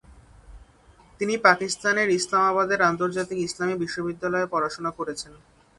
তিনি পাকিস্তানের ইসলামাবাদের আন্তর্জাতিক ইসলামী বিশ্ববিদ্যালয়ে পড়াশোনা করেছেন।